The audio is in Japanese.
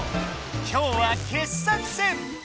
今日は傑作選！